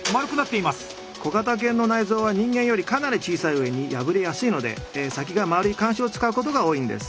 小型犬の内臓は人間よりかなり小さい上に破れやすいので先が丸い鉗子を使うことが多いんです。